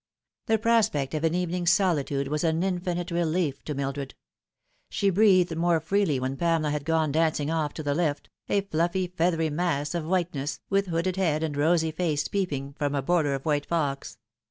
The prospect of an evening's solitude was an infinite relief to Mildred. She breathed more freely when Pamela had gone dancing off to the lift, a fluffy, feathery mass of whiteness, with hooded head and rosy face peeping from a border of white fox.